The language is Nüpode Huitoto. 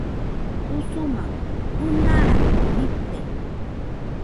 Usuma ɨnarako nite